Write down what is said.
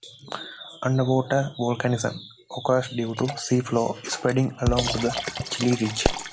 Underwater volcanism occurs due to seafloor spreading along the Chile Ridge.